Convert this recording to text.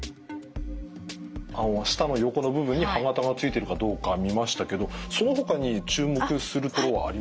舌の横の部分に歯形がついてるかどうか見ましたけどそのほかに注目するところはありますか？